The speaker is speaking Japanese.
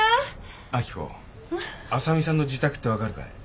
明子あさみさんの自宅って分かるかい？